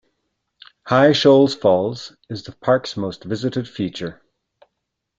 High Shoals Falls is the park's most visited feature.